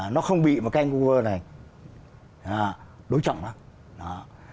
nó không bị mà cái uber này đối trọng nó